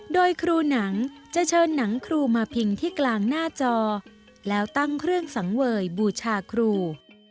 โดยครูหนังจะเชิญหนังครูมาพิงที่กลางหน้าจอแล้วตั้งเครื่องสังเวยบูชาครู